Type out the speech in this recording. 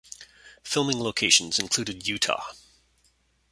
Filming locations included Utah.